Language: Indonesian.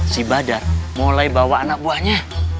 si badar mulai bawa anak buahnya